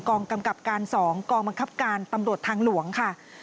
กองกำกับการ๒กองบังคับการตำรวจทางหลวงค่ะ